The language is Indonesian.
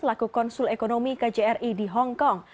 laku konsul ekonomi kjri di hongkong